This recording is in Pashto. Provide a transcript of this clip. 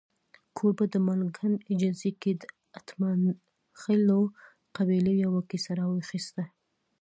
کوربه په ملکنډ ایجنسۍ کې د اتمانخېلو قبیلې یوه کیسه راواخسته.